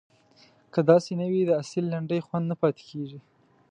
که داسې نه وي د اصیلې لنډۍ خوند نه پاتې کیږي.